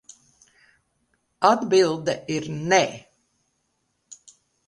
Atbilde ir nē.